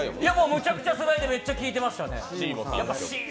めちゃくちゃ世代でめっちゃ聴いてましたね。